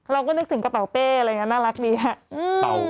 เราก็นึกถึงเปาเป่อะไรอย่างนั้นน่ารักดีอ่ะ